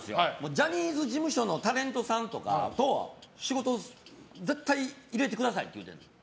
ジャニーズ事務所のタレントさんと仕事、絶対入れてくださいって。